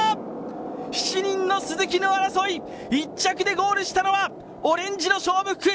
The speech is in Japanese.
７人の鈴木の争い、１着でゴールしたのはオレンジの勝負服